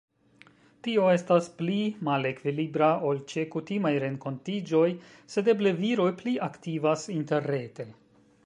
Tio estas pli malekvilibra ol ĉe kutimaj renkontiĝoj, sed eble viroj pli aktivas interrete.